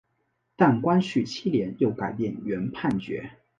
但光绪七年又改变原判决。